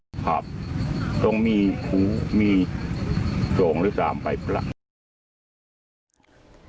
ครับครับต้องมีครูมีสองหรือสามไปแปลก